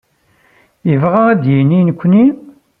Yebɣa ad d-yini nekkni?